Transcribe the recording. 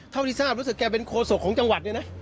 เท่าที่ทราบรู้สึกว่าแกเป็นโคโสคของจังหวัด